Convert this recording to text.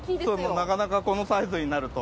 なかなかこのサイズになると。